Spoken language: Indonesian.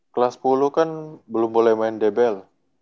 kelas sepuluh kan belum boleh main dbl